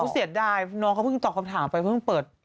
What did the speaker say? เขาเสียดายน้องเขาเพิ่งตอบคำถามไปเพิ่งเปิด